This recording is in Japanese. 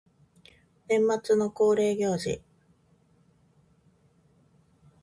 年末の恒例行事